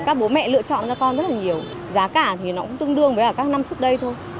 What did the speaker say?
các bố mẹ lựa chọn cho con rất là nhiều giá cả thì nó cũng tương đương với các năm trước đây thôi